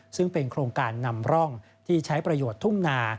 ซึ่งเป็นโครงการนำร่องที่ใช้ประโยชน์ทุ่งนา